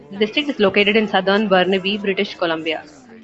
The district is located in southern Burnaby, British Columbia.